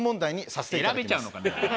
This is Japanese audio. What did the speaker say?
選べちゃうのか。